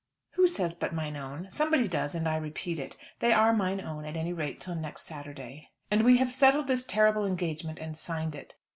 Who says "But mine own?" Somebody does, and I repeat it. They are mine own, at any rate till next Saturday. And we have settled this terrible engagement and signed it.